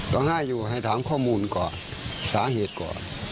ร้องไห้อยู่ให้ถามข้อมูลก่อนสาเหตุก่อน